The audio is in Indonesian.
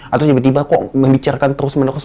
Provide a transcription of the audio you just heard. atau tiba tiba kok membicarakan terus menerus